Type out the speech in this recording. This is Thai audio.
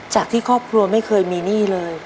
จากที่ครอบครัวไม่เคยมีหนี้เลย